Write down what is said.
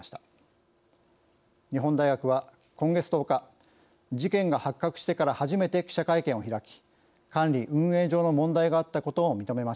日本大学は今月１０日事件が発覚してから初めて記者会見を開き管理・運営上の問題があったことを認めました。